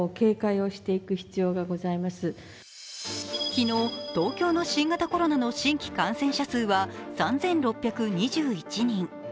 昨日、東京の新型コロナの新規感染者数は３６２１人。